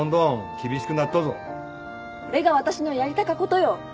これが私のやりたかことよ。